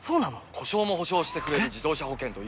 故障も補償してくれる自動車保険といえば？